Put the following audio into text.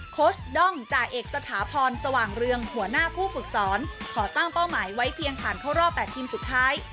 โค้ชด้องจ่าเอกสถาพรสว่างเรืองหัวหน้าผู้ฝึกสอนขอตั้งเป้าหมายไว้เพียงผ่านเข้ารอบ๘ทีมสุดท้าย